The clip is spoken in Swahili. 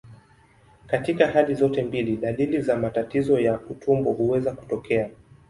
Katika hali zote mbili, dalili za matatizo ya utumbo huweza kutokea.